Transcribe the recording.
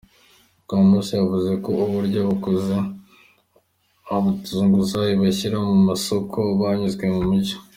Rwomushana yavuze ko uburyo abahoze ari abazunguzayi bashyirwa mu masoko bunyuze mu mucyo.